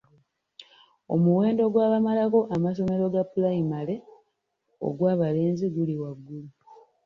Omuwendo gw'abamalako amasomero ga pulayimale ogw'abalenzi guli waggulu.